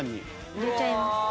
入れちゃいます。